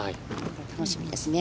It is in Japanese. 楽しみですね。